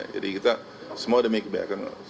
jadi kita semua demi kebaikan